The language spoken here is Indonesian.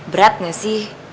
berat gak sih